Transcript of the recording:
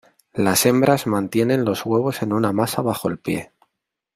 Las hembras mantienen los huevos en una masa bajo el pie.